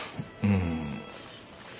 うん。